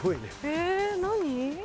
え何？